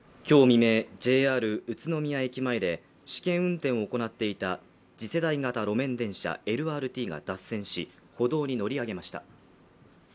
未明ＪＲ宇都宮駅前で試験運転を行っていた次世代型路面電車ＬＲＴが脱線し歩道に乗り上げました